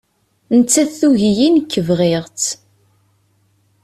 Nettat tugi-iyi nek bɣiɣ-tt